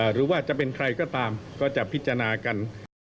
หรือว่าจะเป็นใครก็ตามก็จะพิจารณากัน